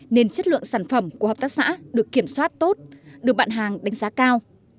nên chất lượng sản phẩm của hợp tác xã được kiểm soát tốt được bạn hàng đánh giá cao